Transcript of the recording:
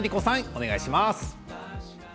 お願いします。